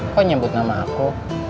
kok nyebut nama aku